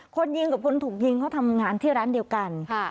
คนยิงกับคนถูกยิงเขาทำงานที่ร้านเดียวกัน